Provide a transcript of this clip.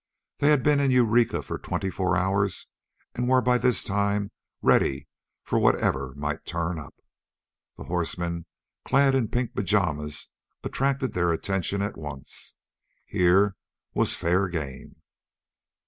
They had been in Eureka for twenty four hours and were by this time ready for whatever might turn up. The horsemen clad in pink pajamas attracted their attention at once. Here was fair game.